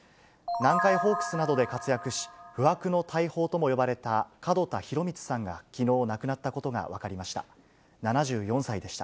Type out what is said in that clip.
南海ホークスなどで活躍し、不惑の大砲とも呼ばれた門田博光さんが、きのう亡くなったことが分かりました。